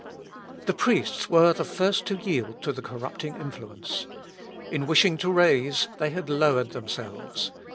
The priests were the first to yield to the corrupting influence. In wishing to raise, they had lowered themselves.